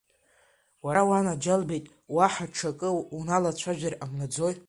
Уара, уанаџьалбеит, уаҳа ҽакы уналацәажәар ҟамлаӡои!